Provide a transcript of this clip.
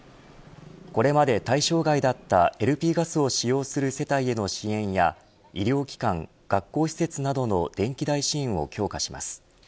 これまで対象外だったＬＰガスを使用する世帯への支援や医療機関、学校施設などの電気代支援を強化します。